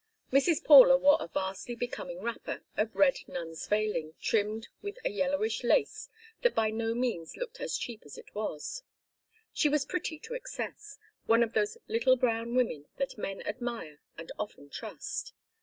Mrs. Paula wore a vastly becoming wrapper of red nun's veiling trimmed with a yellowish lace that by no means looked as cheap as it was. She was pretty to excess, one of those little brown women that men admire and often trust.